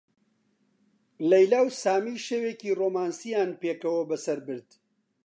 لەیلا و سامی شەوێکی ڕۆمانسییان پێکەوە بەسەر برد.